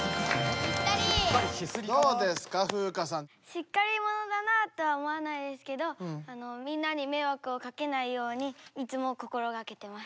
しっかり者だなあとは思わないですけどみんなにめいわくをかけないようにいつも心がけてます。